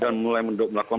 dan mulai melakukan pendobakan